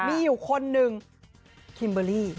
มีอยู่คนหนึ่งคิมเบอร์รี่